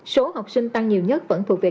số học sinh tăng nhiều nhất vẫn thuộc về